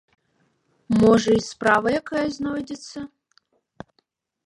Можа, і справа якая знойдзецца?